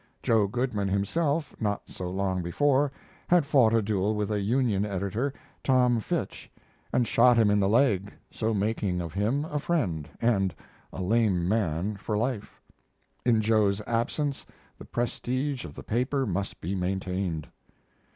Joe Goodman himself, not so long before, had fought a duel with a Union editor Tom Fitch and shot him in the leg, so making of him a friend, and a lame man, for life. In Joe's absence the prestige of the paper must be maintained.